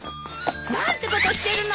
何てことしてるの！